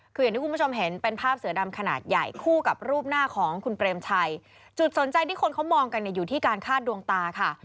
คืออย่างที่คุณผู้ชมเห็นเป็นภาพเสือดำขนาดใหญ่คู่กับรูปหน้าของคุณเปรมชัยจุดสนใจที่คนเขามองกันเนี่ยอยู่ที่การคาดดวงตาค่ะ